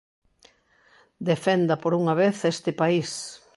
Defenda por unha vez este país.